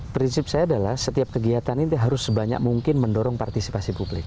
prinsip saya adalah setiap kegiatan ini harus sebanyak mungkin mendorong partisipasi publik